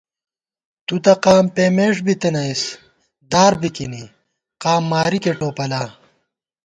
تُوتہ قام پېمېݭ بِتَنئیس، دار بِکِنی، قام مارِکےٹوپلا